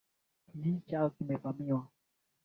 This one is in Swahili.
Kijiji chao kimevamiwa.